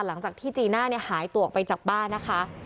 หลังจากที่จีน่าเนี่ยหายตัวออกไปจากบ้านนะคะ